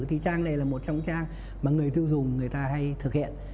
thì trang này là một trong trang mà người tiêu dùng người ta hay thực hiện